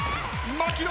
槙野！